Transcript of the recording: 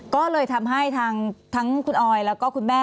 ก็เลยทำให้ทั้งคุณออยแล้วก็คุณแม่